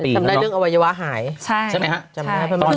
นี่จำได้เรื่องอวัยวะหายใช่ไหมค่ะ